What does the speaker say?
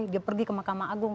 dia pergi ke mahkamah agung